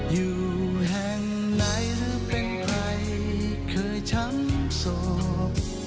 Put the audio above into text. อยู่แห่งไหนหรือเป็นใครเคยช้ำโศก